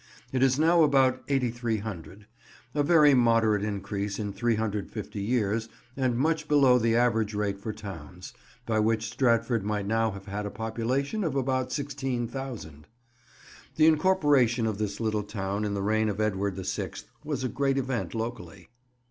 It is now about 8300; a very moderate increase in three hundred and fifty years, and much below the average rate for towns, by which Stratford might now have had a population of about 16,000. The incorporation of this little town in the reign of Edward the Sixth was a great event locally.